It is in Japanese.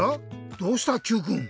どうしたＱくん。